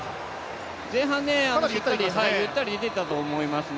前半ゆったり出ていたと思いますね、